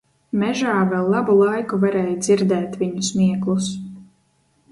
Mežā vēl labu laiku varēja dzirdēt viņu smieklus.